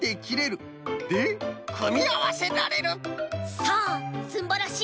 さあすんばらしい